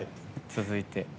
続いて。